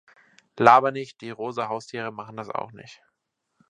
Laber nicht, die rosa Haustiere machen das auch nicht!